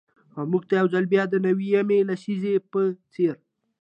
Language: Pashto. او مـوږ تـه يـو ځـل بـيا د نـوي يمـې لسـيزې پـه څـېر.